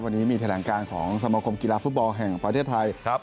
วันนี้มีแถลงการของสมคมกีฬาฟุตบอลแห่งประเทศไทยครับ